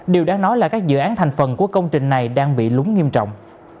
điều đáng nói là các dự án thành phần của công trình này đang bị lúng nghiêm trọng